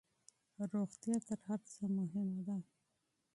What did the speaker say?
روغتيا تر هرڅه مهمه ده